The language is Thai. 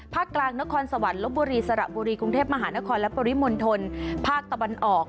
กลางนครสวรรค์ลบบุรีสระบุรีกรุงเทพมหานครและปริมณฑลภาคตะวันออก